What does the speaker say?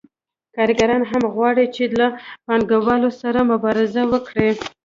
کارګران هم غواړي چې له پانګوالو سره مبارزه وکړي